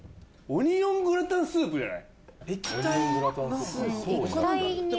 オニオングラタンスープって。